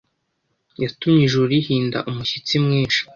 yatumye Ijuru rihinda umushyitsi mwinshi